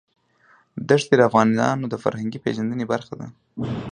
دښتې د افغانانو د فرهنګي پیژندنې برخه ده.